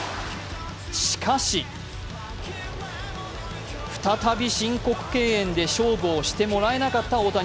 しかし再び申告敬遠で勝負をしてもらえなかった大谷。